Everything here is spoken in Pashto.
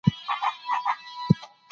که تضاد وي نو ټولنه ګډوډېږي.